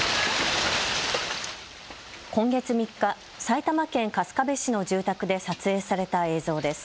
今月３日、埼玉県春日部市の住宅で撮影された映像です。